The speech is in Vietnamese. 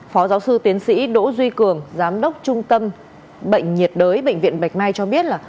phó giáo sư tiến sĩ đỗ duy cường giám đốc trung tâm bệnh nhiệt đới bệnh viện bạch mai cho biết là